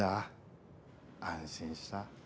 安心した。